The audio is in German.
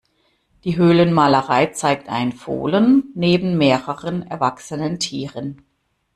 Die Höhlenmalerei zeigt ein Fohlen neben mehreren erwachsenen Tieren.